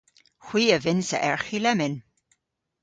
Hwi a vynnsa erghi lemmyn.